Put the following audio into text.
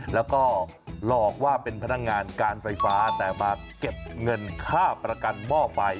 แล้วก็หลอกว่าเป็นพนักงานการไฟฟ้าแต่มาเก็บเงินค่าประกันหม้อไฟ